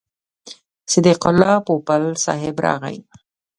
صدیق الله پوپل صاحب راغی.